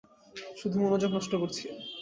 শুধু মনোযোগ নষ্ট করছি।